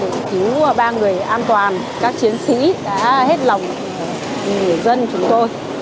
để cứu ba người an toàn các chiến sĩ đã hết lòng người dân chúng tôi